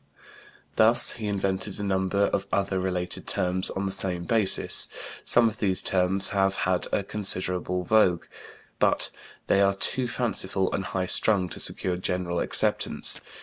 He also invented a number of other related terms on the same basis; some of these terms have had a considerable vogue, but they are too fanciful and high strung to secure general acceptance.